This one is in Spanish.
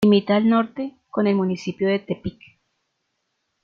Limita al Norte con el municipio de Tepic.